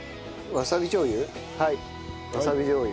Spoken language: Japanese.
わさびじょう油。